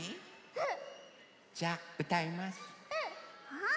うん。